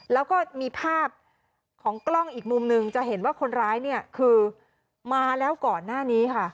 แล้วก็มีภาพของกล้องอีกมุมหนึ่งจะเห็นว่าคนร้ายเนี่ยคือมาแล้วก่อนหน้านี้ค่ะ